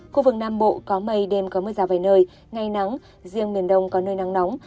khu vực nam bộ có mây đêm có mưa rào vài nơi ngày nắng riêng miền đông có nơi nắng nóng